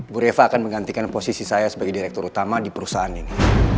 bu reva akan menggantikan posisi saya sebagai direktur utama di perusahaan ini